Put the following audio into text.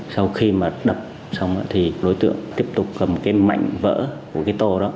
sau khi mà đập xong thì đối tượng tiếp tục cầm cái mảnh vỡ của cái tô đó